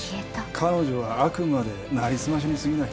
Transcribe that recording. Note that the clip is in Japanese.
彼女はあくまでなりすましに過ぎない。